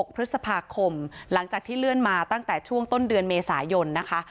พฤษภาคมหลังจากที่เลื่อนมาตั้งแต่ช่วงต้นเดือนเมษายนนะคะ